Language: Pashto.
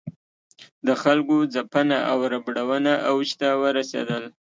د خلکو ځپنه او ربړونه اوج ته ورسېدل.